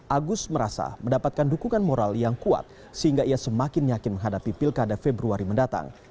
agus merasa mendapatkan dukungan moral yang kuat sehingga ia semakin yakin menghadapi pilkada februari mendatang